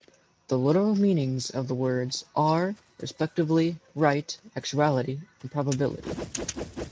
The literal meanings of the words, are, respectively, "Right", "actuality" and "probability".